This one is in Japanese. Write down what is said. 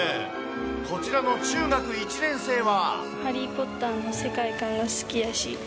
こちらの中学１年生は。